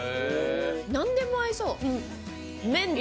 なんでも合いそう。